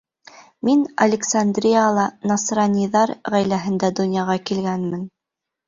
Мин Александрияла насраниҙар ғаиләһендә донъяға килгәнмен.